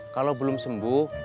kalau belum sembuh